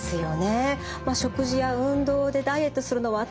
食事や運動でダイエットするのは大変。